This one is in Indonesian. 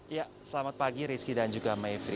ya selamat pagi rizky dan juga mayfri